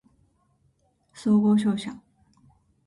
総合商社